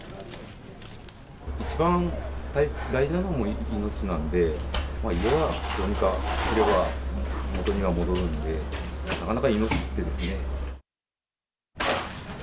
一番大事なのは命なんで、家はどうにかすれば、元には戻るんで、なかなか命ってですね。